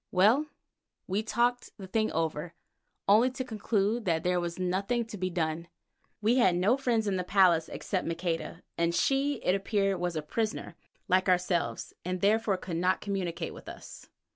Well, we talked the thing over, only to conclude that there was nothing to be done. We had no friend in the place except Maqueda, and she, it appeared, was a prisoner like ourselves, and therefore could not communicate with us.